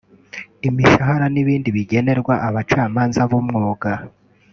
imishahara n’ibindi bigenerwa Abacamanza b’umwuga